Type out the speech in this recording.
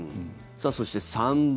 そして、３番。